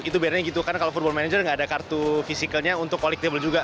itu berarti gitu karena kalau football manager nggak ada kartu fisikalnya untuk collectible juga